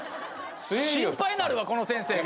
心配なるわこの先生が。